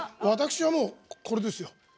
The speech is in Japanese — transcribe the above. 私はこれですよ。